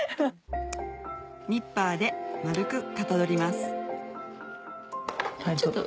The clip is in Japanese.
ニッパーで丸くかたどりますちょっと。